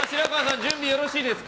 準備はよろしいですか？